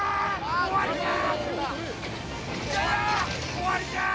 ◆終わりじゃー。